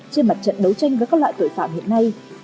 trên mặt trận đấu tranh với các loại tội phạm hiện nay